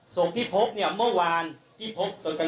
ส่งที่พบเมื่อวานที่พบตลกลางคืน